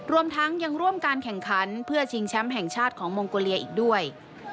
รวมทั้งยังร่วมการแข่งขันเพื่อชิงแชมป์แห่งชาติของมองโกเลียอีกด้วย